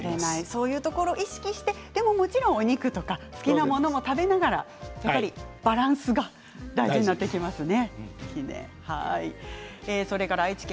そういうところを意識して、でももちろんお肉とか好きなものも食べながらバランスが大事になってきますね。